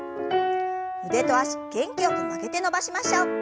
腕と脚元気よく曲げて伸ばしましょう。